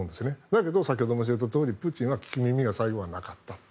だけど、先ほど申し上げたとおりプーチンが聞く耳は最後はなかった。